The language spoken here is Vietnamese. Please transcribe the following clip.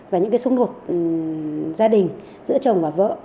và những cái xung đột gia đình giữa chồng và vợ